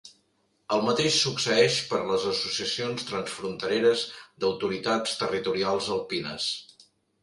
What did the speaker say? El mateix succeeix per a les associacions transfrontereres d'autoritats territorials alpines.